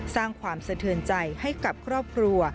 สร้างความสะเทือนใจให้กับครอบครัว